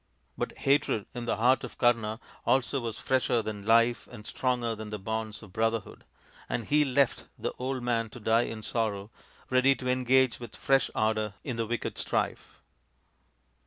But hatred in the heart of Kama also was fresher than life and stronger than the bonds of brotherhood, and he left the old man to die in sorrow, ready to engage with fresh ardour in the wicked strife.